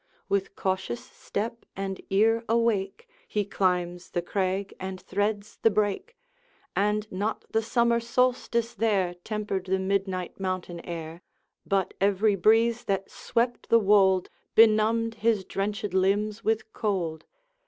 With cautious step and ear awake, He climbs the crag and threads the brake; And not the summer solstice there Tempered the midnight mountain air, But every breeze that swept the wold Benumbed his drenched limbs with cold.